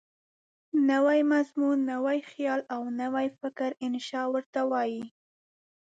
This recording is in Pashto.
نوی مضمون، نوی خیال او نوی فکر انشأ ورته وايي.